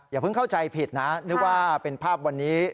อย่าเพิ่งเข้าใจผิดนะนึกว่าเป็นภาพวันนี้